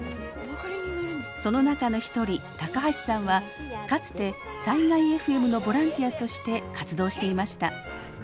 その中の一人高橋さんはかつて災害ＦＭのボランティアとして活動していました。